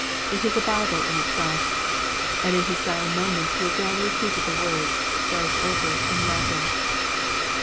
It is a Bible in itself!' And in his dying moments he again repeated the words, thrice over, in Latin.